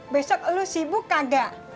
besok lo sibuk kagak